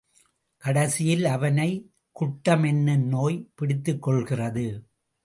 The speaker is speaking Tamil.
கடைசியில் அவனை, குட்டம் என்னும் நோய் பிடித்துக்கொள்கிறது.